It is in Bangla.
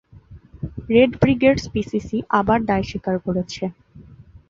রেড ব্রিগেডস-পিসিসি আবার দায় স্বীকার করেছে।